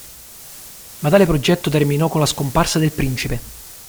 Ma tale progetto terminò con la scomparsa del principe.